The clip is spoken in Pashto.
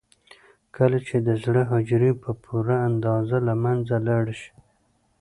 کله چې د زړه حجرې په پوره اندازه له منځه لاړې شي.